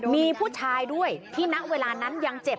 มีผู้ชายด้วยที่ณเวลานั้นยังเจ็บ